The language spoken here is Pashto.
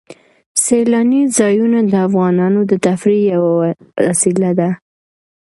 سیلانی ځایونه د افغانانو د تفریح یوه وسیله ده.